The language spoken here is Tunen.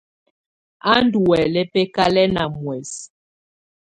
Á ndɔ́ huɛlɛ bǝkalɛna muɛsɛ.